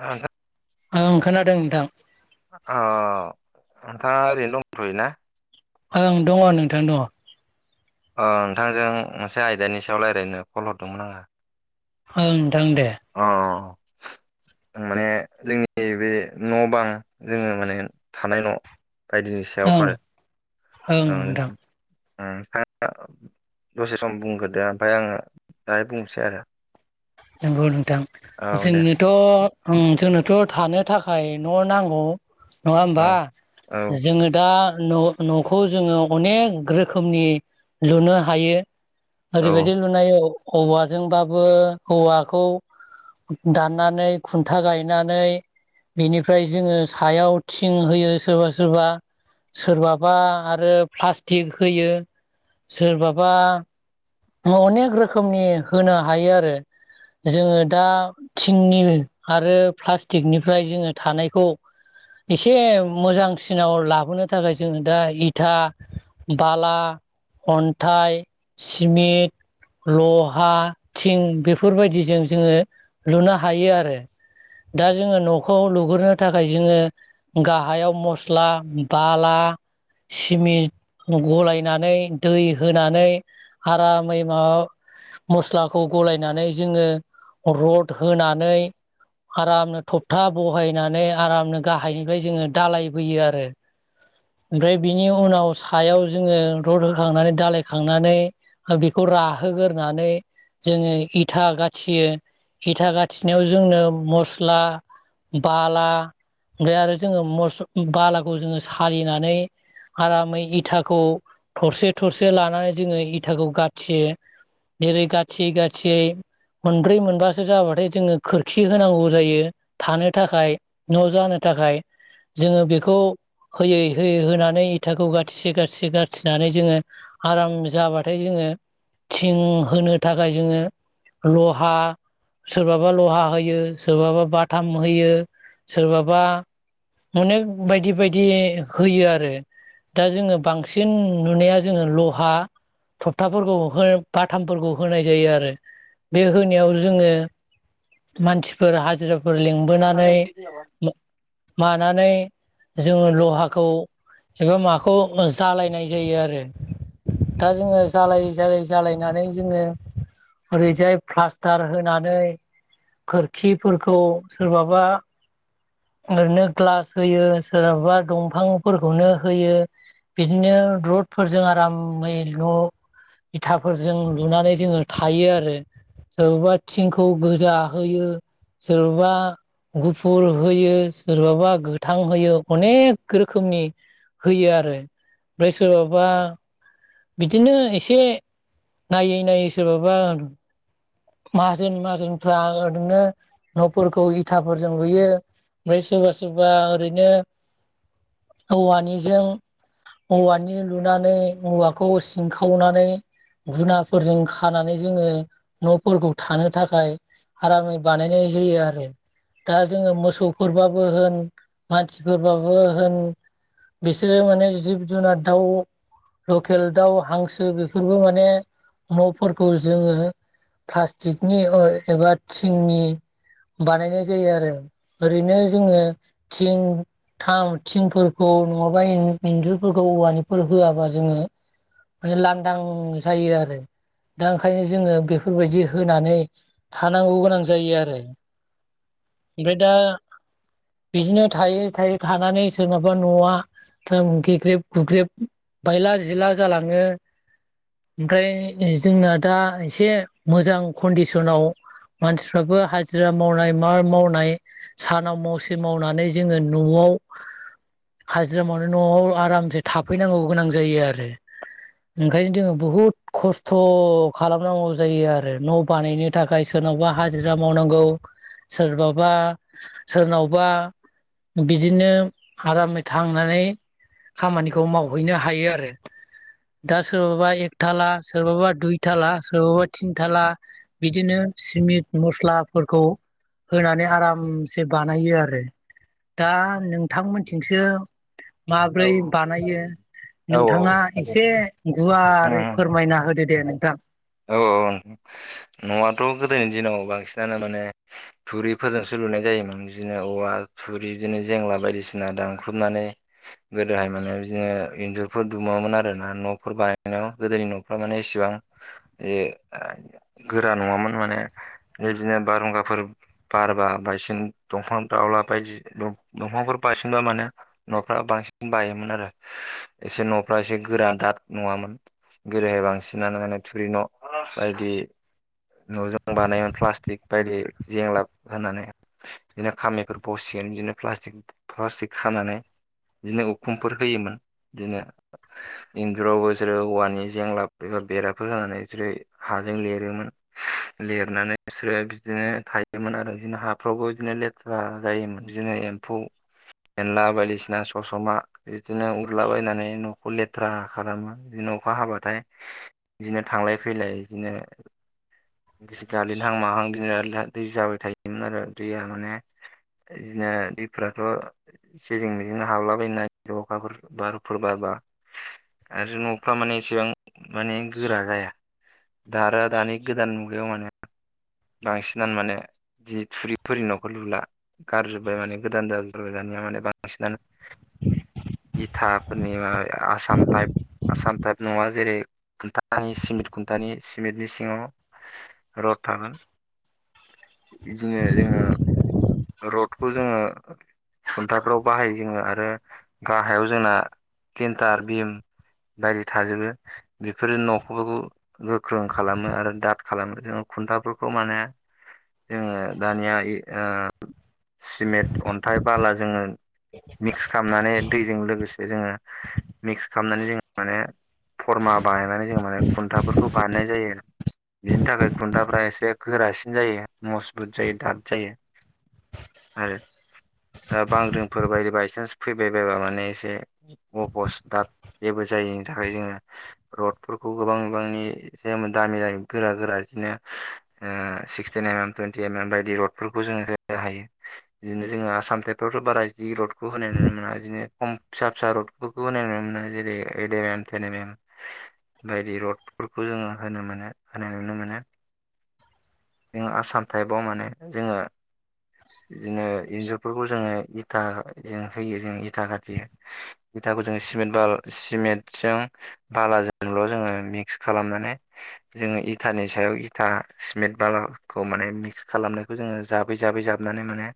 ओ नोंथां। ओम खोनादों नोंथां अ नोंथाङा ओरैनो दंथयो ना? ओं दङ नोंथां दङ अ नोंथांजों मोनसे आयदानि सायाव रायलायनो कल हरदोंमोन आङो ओं नोंथां दे आङो माने जोंनि बे न बां जोङो माने थानाय न बायदिनि सायाव ओं आरो ओं ओं दसे सम बुंग्रोदो ओमफ्राय आङो दाहाय बुंनोसै आरो नंगौ नोंथां औ दे जोंनोथ जोंनोथ थानो थाखाय न नांगौ नङा औ होमबा औ जोंङो दा न नखौ जोङो औनेक रोखोमनि लुनो हायो औ ओरैबायदि लुनाय हौवाजोंबाबो हौवाखौ दाननानै खुन्था गायनानै बेनिफ्राय जोंङो सायाव थिं होयो सोरबा सोरबा सोरबाबा आरो प्लास्टिक होयो सोरबाबा अनेक रोखोमनि होनो हायो आरो जोङो दा थिंनि आरो प्लास्टिकनिफ्राय जोङो थानायखौ एसे मोजांसिनाव लाबोनो थाखाय जोङो दा इथा बाला अन्थाइ सिमिट लहा थिं बेफोरबायदिजों जोङो लुनो हायो आरो दा जोङो नखौ लुग्रोनो थाखाय जोङो गाहायाव मस्ला बाला सिमिट गलायनानै दै होनानै आरामै मा मस्लाखौ गलायनानै जोङो रद होनानै आरामनो थखथा बहायनानै आरामनो गाहायनिफ्राय जोङो दालायबोयो आरो ओमफ्राय बिनि उनाव सायाव जोङो रद होखांनानै दालायखांनानै बेखौ राहोगोरनानै जोङो इथा गाथियो इथा गाथिनायाव जोंनो मस्ला बाला ओमफ्राय आरो जोङो मस बालाखौ जोङो सालिनानै आरामै इथाखौ थरसे थरसे लानानै जोङो इथाखौ गाथियो जेरै गाथियै गाथियै मोनब्रै मोनबासो जाबाथाय जोङो खोरखि होनांगौ जायो थानो थाखाय न जानो थाख थाखाय जोङो बेखौ होयै होयै होनानै इथाखौ गाथिसे गाथिसे गाथिनानै जोङो आराम जाबा ओमफ्राय जोङो थिं होनो थाखाय जोङो लहा सोरबाबा लहा होयो सोरबाबा बाथाम होयो सोरबाबा अनेक बायदि बायदि होयो आरो दा जोङो बांसिन नुनाया जोङो लहा थकथाफोरखौ हो बाथामफोरखौ होनाय जायो आरो बे होनायाव जोङो मानसिफोर हाजिराफोर औ लिंबोनानै मानानै जोङो लहाखौ एबा माखौ जालायनाय जायो आरो दा जोङो जालायै जालायै जालायनानै जोङो ओरैजाय प्लास्टार होनानै खोरखिफोरखौ सोरबाबा ओरैनो ग्लास होयो सोरहाबा दंफांफोरखौनो होयो बिदिनो रडफोरजों आरामै न इथाफोरजों लुनानै जोङो थायो आरो सोरबा थिंखौ गोजााहोयो सोरबा गुफुर होयो सोरबाबा गोथां होयो अनेक रोखोमनि होयो आ आरो ओमफ्राय सोरबाबा बिदिनो एसे नायै नायै सोरबाबा माहाजोन माहाजोनफ्रा ओरैनो न'फोरखौ इथाफोरजों लुयो। ओमफ्राय सोरबा सोरबा ओरैनो औवानिजों। औवानि लुनानै औवाखौ सिंखावनानै गुनाफोरजों खानानै जोङो न'फोरखौ थानो थाखाय आरामै बानायनाय जायो आरो। दा जोङो मोसौफोरबाबो होन मानसिफोरबाबो होन। बेसेरो माने जिब जुना दाव लकेल दाउ हांसो बेफोरबो माने न'फोरखौ जोङो प्लास्टिकनि [unintelligible] एबा थिंनि बानायनाय जायो आरो ओरैनो जोङो थिं थाम थिंफोरखौ औ नङाबा इन्जुरफोरखौ औवानिफोर होआबा जोङो माने लांदां जायो आरो दा ओंखायनो जोङो बेफोरबायदि होनानै थानांगौ गोनां जायो आरो। ओमफ्राय दा बिदिनो थायै थायै थानानै सोरनाबा न'आ [unintelligible] गेग्रेब गुग्रेब बायला जिला जालाङो। ओमफ्राय जोंना दा एसे मोजां कन्डसनाव मानसिफ्राबो हाजिरा मावनाय मा मावनाय सानाव मावसे मावनानै जोङो न'आव न'आव हाजिरा मावनानै न'आव आरामसे थाफैनांगौ गोनां जायो आरो। ओंखायनो जोङो बुहुद खस्थ' खालामनांगौ जायो आरो न' बानायनो थाखाय सोरनावबा हाजिरा मावनांगौ। सोरबाबा सोरनावबा बिदिनो आरामै थांनानै खामानिखौ मावहैनो हायो आरो। दा सोरबाबा एकथाला सोरबाबा दुइथाला सोरबाबा थिनथाला बिदिनो सिमिन्ट मस्लाफोरखौ होनानै आरामसे बानायो आरो दा नोंथांमोनथिंसो माब्रै बानायो। औ नोंथाङा एसे गुवारै फोरमायना होदो दे नोंथां। औ औ न'आथ' गोदोनि दिनाव बांसिनानो माने थुरिफोरजोंसो लुनाय जायोमोन बिदिनो औवा थुरि बिदिनो जेंला बायदिसिना दानख्रुबनानै गोदोहाय माने बिदिनो इन्जुरफोर दुमोमोन आरो ना न'फोर बानायनायाव गोदोनि न'फ्रा माने इसेबां बे ओ गोरा नङामोन माने। बिदिनो बारहुंगाफोर बारबा बायसिन दंफां दावला बायदि दंफां बायला [unintelligible] बारसिनबा माने न'फ्रा बांसिन बायोमोन आरो एसे न'फ्रा एसे गोरा दाद नङामोन। गोदोहाय बांसिनानो माने थुरि न' बायदि न'जों बानायोमोन प्लास्टिक बायदि जेंलाब होनानै। बिदिनो खामिफोर बसिगोन बिदिनो पस्क प्लास्टिक खानानै बिदिनो उखुमफोर होयोमोन बिदिनो इन्जुरावबोसोरो औवानि जेंला एबा बेराफोर जानानै बिसोरो हाजों लिरोमोन लिरनानै बिसोरो बिदिनो थायोमोन आरो बिदिनो हाफ्रा बेवावबो बिदिनो लेथ्रा जायोमोन बिदिनो एम्फौ एनला बायदिसिना ससमा बिदिनो उरलाबायायनानै न'खौ लेथ्रा खालामो बि अखा हाबाथाय बिदिनो थांलाय फैलाय बिदिनो गिसि गालिनहां माहां दि दै जाबाय थायोमोन आरो दैया माने बिदिनो दैफोराथ' जेजों मेजोंनो बिदिनो हाबलाबायनाय अखाफोर बारफोरबा बा आरो न'फ्रा माने एसेबां माने गोरा जाया दा आरो दानि गोदान मुगायाव माने बांसिनानो माने जि थुरिफोरिनि न'खर लुला। गारजोबबाय माने गोदान ज जारबाय दानिया माने बांसिनानो। इथाफोरनि माबा आसाम टायप आसाम टाइप नङा जेरै आनि सिमेन्ट खुन्थानि सिमेन्टनि सिङाव रड थागोन। बिदिनो जोङो रडखौ जोङो अन्थाइफ्राव बाहायो जोङो आरो गाहायाव जोंना क्लिन्टार भिम बायदि थाजोबो बेफोरो न'खौफोरखौ गोख्रों खालामो आरो दाद खालामो। जों खुन्थाफोरखौ माने जोङो दानिया इ ओ सिमेन्ट अन्थाइ बाला जोङो मिक्स खामनानै दैजों लोगोसे जोङो मिक्स खालामनानै जों माने फरमा बानायनानै जों माने खुन्थाफोरखौ बानायनाय जायो। बेनि थाखाय खुन्थाफ्रा एसे गोरा बांसिन जायो। मजबुत जायो दाद जायो। आरो दा बांग्रिंफोर बायदि बायसान्स फैबाय बायबा माने एसे गफस द जेबो जायिनि थाखाय जोङो रडफोरखौ गोबां बिबांनि जायो दामि- दामि गोरा गोरा इदिनो ओ सिक्सटिन एम एम टुइन्टिम एम बायदि रडफोरखौ जोङो ओ हायो बिदिनो जोङो आसाम थेखथर बारा जि रडखौ होनाय नुनो मोना इदिनो खम फिसा फिसा रडफोरखौबो नाय नुनो मोनो। जेरै एडेमाम टेन एनम बायदि रडफोरखौ जोङो होनो मोनो होनाय नुनो मोनो। जों आसाम टाइपाव माने जोङो [inaudible] इदिनो इन्जुरफोरखौ जोङो इथा जों होयो जों इथा खाथियो इथाखौ जों सिमेन्ट बाल सिमेन्ट जों बालाजोंल' जोङो मिक्स खालामनानै जों इथानि सायाव इथा सिमेन्ट बालाखौ माने मिक्स खालामनायखौ जोङो जाब बै जाबै जाबनानै माने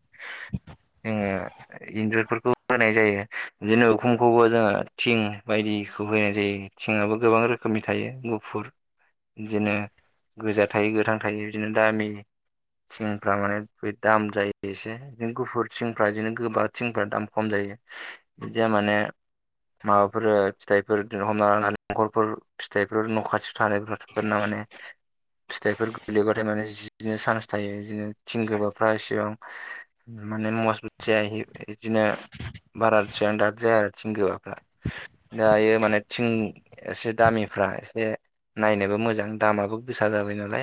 जोङो इन्जुरफोरखौ होनाय जायो। बिदिनो उखुमखौबो जोङो थिं बायदि दैखौ होनाय जायो। थिङाबो गोबां रोखोमनि थायो गुफुर बिदिनो गोजा थायो गोथां थायो बिदिनो दामि थिंफ्रा माने बे दाम जायो एसे बिनो गुफुर थिंफ्रा बिदिनो गोबा थिंफ्रा दाम खम जायो माने माबाफोर फिथाइफोर हमनाला दंखलफोर फिथाइफोर न' खाथियाव थानायफोरना माने फिथाइफोर गोगलैबाथाय माने जिनो सान्स थायो। बिदिनो थिं गोबाब ओ इसेबां माने मसबुथ जाया इदिनो बारासेबां दाद जाया आरो थिं गोबाफ्रा। दायो माने थिं एसे दामिफो फ्रा एसे नायनोबो मोजां दामाबो गोसा जाबाय नालाय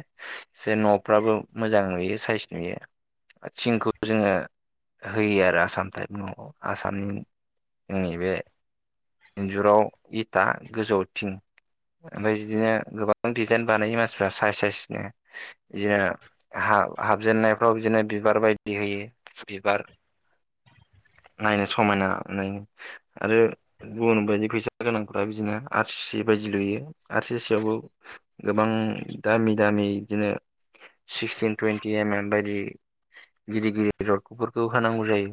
एसे न'फ्राबो मोजां नुयो सायस नुयो। थिंखौ जोङो होयो आरो आसाम टाइप न आसामनि जोंनि बे इन्जुराव इथा गोजौथिं ओमफिय बिदिनो गोबां बां डिजाइन बानायो मानसिफ्रा साइज साइसनो बिदिनो हा-हाबजेननायफ्राव बिदिनो बिबार बायदि होयो। बिबार [inaudible] नायनो समायना नुनायनि। आरो गुबुन बायदि फैसा गोनांफोरा बिदिनो आर सि सि बायदि लुयो आर सि सि आवबो गोबां दामि दामि बिदिनो सिक्सटिन टुवन्टि एम एम बायदि गिदिर गिदिर रडखौफोरखौ होनानांगौ जायो।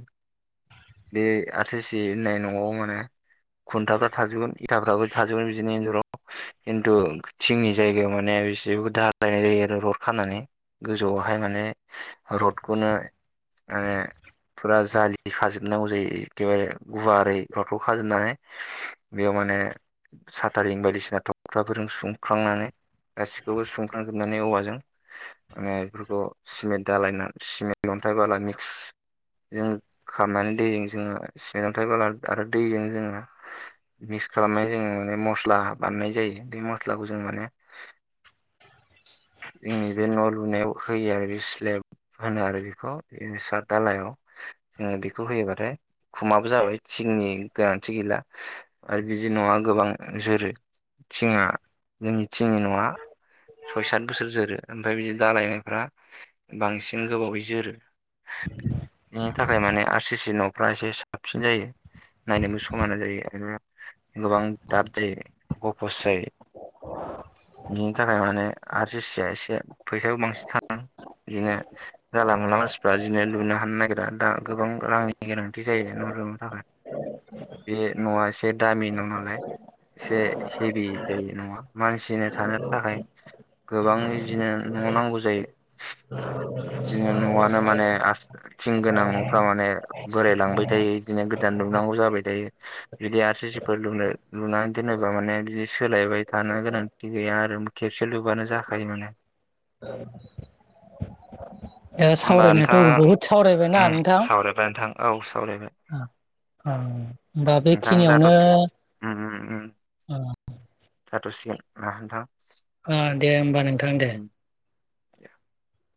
बे आर सि होननाय न'आव मोने। खुन्थाफ्रा थाजोबगोन इथाफ्राबो थाजोबगोन बिदिनो इनजुराव खिन्थु थिंनि जायगायाव माने बेसेखौ दाहालायनाय जायो आरो रड खानानै गोजौआवहाय माने र'डखौनो माने फुरा जालि खाजोबनांगौ जायो। एखेबारे गुवारओै र'थखौ खाजोबनानै बेयाव मा माने साथारिं बायदिसिना थ'कताफोरजों सुंखांनानै गासिखौबो सुंख्रांजोबनानै औवाजों माने बेफोरखौ सिमेन्ट दालायना सिमेन्ट अन्थाइ बाला मिक्स जोङो खामनानै दैजों जोङो सिमेन्ट अन्थाय बाला आरो दैजों जोङो मिक्स खालामनानै जोङो माने मस्ला बानायनाय जायो बे मस्लाखौ जों माने जोंनि बे न' लुनायाव होयो आरो स्लेब होनो आरो बेखौ साद दालायाव जोङो बेखौ होयोबाथाय उखुमाबो जाबाय थिंनि गोनांथि गैला आरो बिदि नङा गोबां जोरो थिंआ जोंनि थिंनि न'आ सय सात बोसोर जोरो ओमफ्राय बिदि दालायनायफ्रा बांसिन गोबावै जोरो बिनि थाखाय माने आर सि सि न'फ्रा एसे साबसिन जायो नायनोबो समायना जायो गोबां दाद जायो गफस जायो बिनि थाखाय माने आर सि सिया एसे फैसाबो बांसिन थाङो। बिदिनो जानला मोनला मानसिफ्रा बिदिनो लुनो हानो नागिरा दा गोबां रांनि गोनांथि जायो नो [unintelligible] [unintelligible] थाखाय बे न'आ एसे दामि न' नालाय एसे हेभि जायो नङा मानसिनो थानो थाखाय गोबां इदिनो न' नांगौ जायो [unintelligible] न'आनो माने आस थिं गोनां न'फ्रा माने बोरायलांबाय थायो बिदिनो गोदान लुनांगौ जाबाय थायो बिदि आर सि सिफोर लुनो लुनानै दोनो बा माने बिदि सोलायबाय थानो गोनांथि गैया आरो खेबसे लुबानो जाखायो माने [inaudible] दा होमबा सावरायनायाथ' नोंथाङा बहुद सावरायबायना उम नोंथां सावरायबाय नोंथां औ सावरायबाय ओ ओ होमबा नोंथां बेखिनियावनो जाथ'सिगोन उम उम ओ जाथ'सिगोन ना नोंथां? अ दे होमबा नोंथां दे [inaudible]